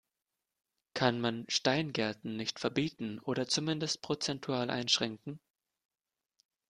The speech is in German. Kann man Steingärten nicht verbieten, oder zumindest prozentual einschränken?